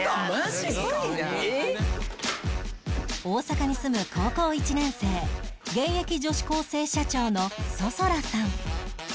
大阪に住む高校１年生現役女子高生社長の想空さん